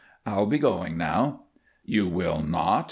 "I'll be going now." "You will not.